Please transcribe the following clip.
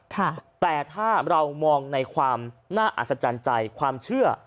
แต่ถ้าเรามองในความน่าอัศจรรย์ใจความเชื่อ